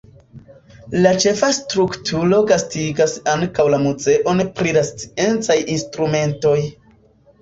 La ĉefa strukturo gastigas ankaŭ la muzeon pri la sciencaj instrumentoj.